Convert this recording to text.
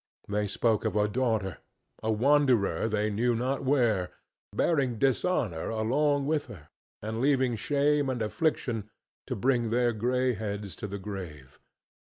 They spoke of a daughter, a wanderer they knew not where, bearing dishonor along with her and leaving shame and affliction to bring their gray heads to the grave.